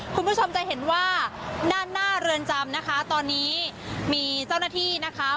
คุณผู้ชมจะเห็นว่าด้านหน้าเรือนจำนะคะตอนนี้มีเจ้าหน้าที่นะคะ